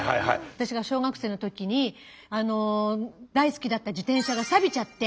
私が小学生の時に大好きだった自転車がサビちゃって。